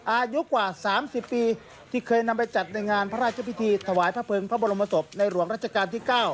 อายุกว่า๓๐ปีที่เคยนำไปจัดในงานพระราชพิธีถวายพระเภิงพระบรมศพในหลวงรัชกาลที่๙